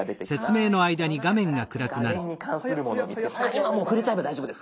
今触れちゃえば大丈夫です。